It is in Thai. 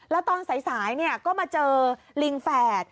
แล้วตอนสายก็มาเจอลิงแฝด